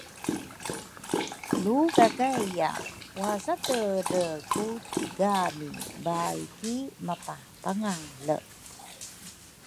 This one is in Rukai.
Lukakaiya wasatedre ku tigami baai ki mapapangale